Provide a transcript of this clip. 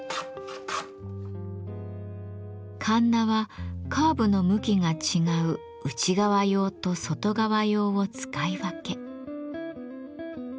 かんなはカーブの向きが違う内側用と外側用を使い分け。